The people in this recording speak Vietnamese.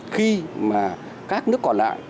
khi mà các nước còn lại